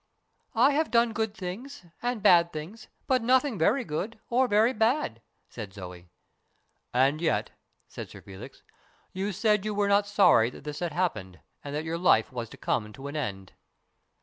" I have done good things and bad things, but nothing very good or very bad," said Zoe. " And yet," said Sir Felix, " you said you were not sorry that this had happened, and that your life was to come to an end."